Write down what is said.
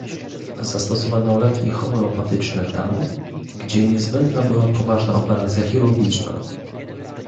Zastosowano leki homeopatyczne tam, gdzie niezbędna była poważna operacja chirurgiczna